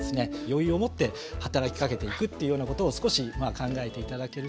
余裕を持って働きかけていくっていうようなことを少し考えて頂けるといいのかなって。